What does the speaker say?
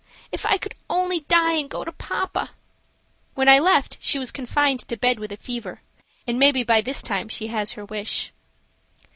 If I could only die and go to papa!" When I left she was confined to bed with a fever, and maybe by this time she has her wish.